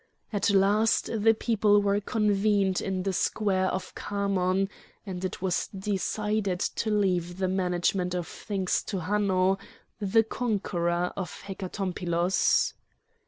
At last the people were convened in the square of Khamon, and it was decided to leave the management of things to Hanno, the conqueror of Hecatompylos.